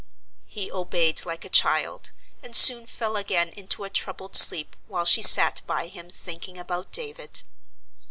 He obeyed like a child, and soon fell again into a troubled sleep while she sat by him thinking about David.